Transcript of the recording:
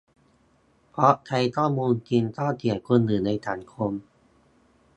เพราะใช้ข้อมูลจริง ก็เสี่ยงคนอื่นในสังคม